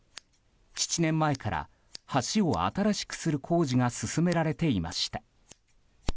７年前から橋を新しくする工事が進められていました。